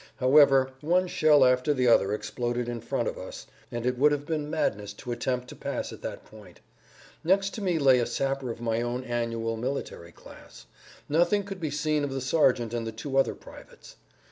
However, one shell after the other exploded in front of us, and it would have been madness to attempt to pass at that point. Next to me lay a sapper of my own annual military class; nothing could be seen of the sergeant and the two other privates.